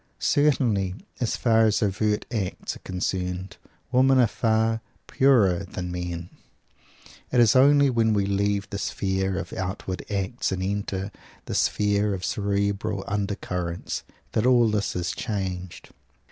Certainly, as far as overt acts are concerned, women are far "purer" than men. It is only when we leave the sphere of outward acts and enter the sphere of cerebral undercurrents, that all this is changed.